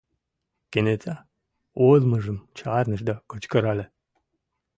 – Кенета ойлымыжым чарныш да кычкырале: